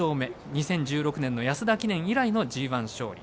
２０１６年の安田記念以来のＧＩ勝利。